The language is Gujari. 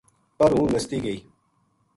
پر ہوں نَستی گئی